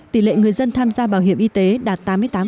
tỷ lệ người dân tham gia bảo hiểm y tế đạt tám mươi tám